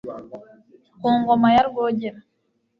ku ngoma ya rwogera